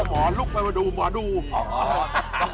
หมอลุ๊กหมอดูมหมอดูม